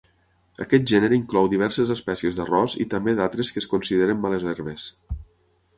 Aquest gènere inclou diverses espècies d'arròs i també d'altres que es consideren males herbes.